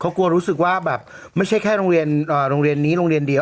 เขากลัวรู้สึกว่าแบบไม่ใช่แค่โรงเรียนนี้โรงเรียนเดียว